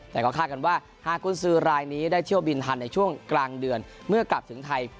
แต่ก็คาดกันว่าหากกุญสือรายนี้ได้เที่ยวบินทันในช่วงกลางเดือนเมื่อกลับถึงไทย